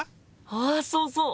あそうそう！